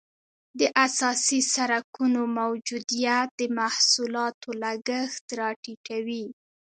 د اساسي سرکونو موجودیت د محصولاتو لګښت را ټیټوي